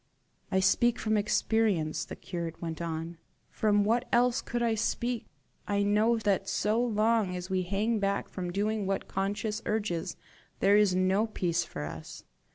"I speak from experience," the curate went on "from what else could I speak? I know that so long as we hang back from doing what conscience urges, there is no peace for us.